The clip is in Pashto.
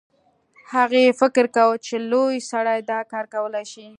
هغې فکر کاوه چې لوی سړی دا کار کولی شي